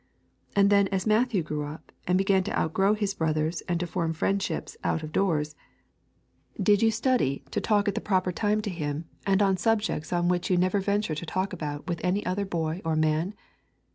And then as Matthew grew up and began to out grow his brothers and to form friendships out of doors, did you study to talk at the proper time to him, and on subjects on which you never venture to talk about to any other boy or man?